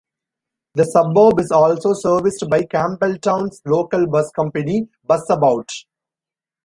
The suburb is also serviced by Campbelltown's local bus company, Busabout.